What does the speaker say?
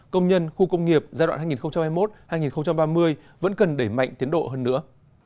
công nhân khu công nghiệp giai đoạn hai nghìn hai mươi một hai nghìn ba mươi vẫn cần đẩy mạnh tiến độ hơn nữa